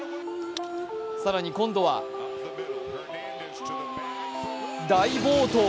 更に今度は大暴投。